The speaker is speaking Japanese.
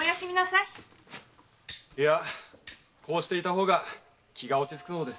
いやこうしていた方が気が落ちつくのです。